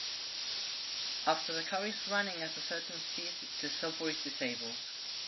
After the car is running at a certain speed, the software is disabled.